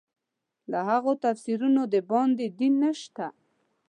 له هغو تفسیرونو د باندې دین نشته.